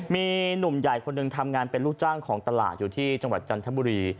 มีหนุ่มใหญ่คนหนึ่งทำงานเป็นลูกจ้างของตลาดอยู่ที่จังหวัดจันทบุรี